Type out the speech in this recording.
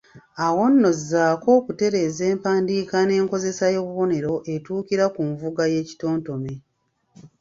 Awo nno zzaako okutereeza empandiika n’enkozesa y’obubonero etuukira ku nvuga y’ekitontome.